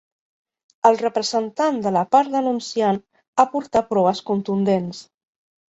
El representant de la part denunciant aportà proves contundents.